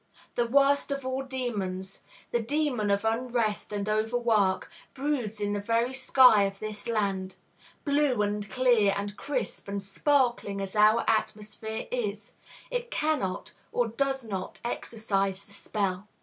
The worst of all demons, the demon of unrest and overwork, broods in the very sky of this land. Blue and clear and crisp and sparkling as our atmosphere is, it cannot or does not exorcise the spell.